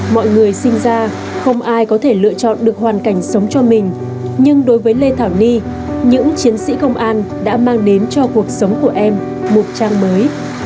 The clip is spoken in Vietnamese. mọi người sinh ra không ai có thể lựa chọn được hoàn cảnh sống cho mình nhưng đối với lê thảo ly những chiến sĩ công an đã mang đến cho cuộc sống của em một trang mới